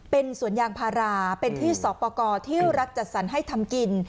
เป็นสวนยางพาราเป็นที่สอบประกอบที่รัฐจัดสรรให้ทำกิน